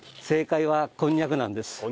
正解はこんにゃくなんです。